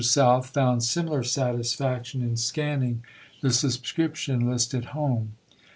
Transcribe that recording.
South found similar satisfaction in scanning the subscription list at home.